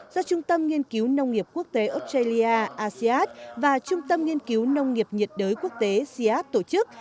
do trung tâm nghiên cứu nông nghiệp quốc tế australia asean và trung tâm nghiên cứu nông nghiệp nhiệt đới quốc tế sia tổ chức